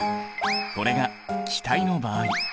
これが気体の場合。